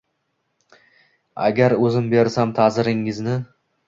Agar o’zim bersam ta’ziringizni.